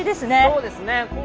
そうですね。